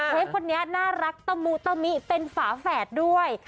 คนนี้น่ารักตะมูตะมิเป็นฝาแฝดด้วย